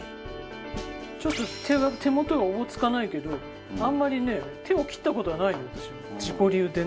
ちょっと手元がおぼつかないけどあんまりね手を切った事がないの私は自己流でね。